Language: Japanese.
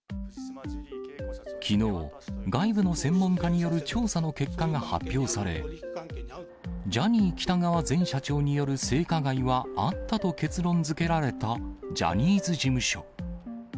きのう、外部の専門家による調査の結果が発表され、ジャニー喜多川前社長による性加害はあったと結論づけられた、ジャニーズ事務所。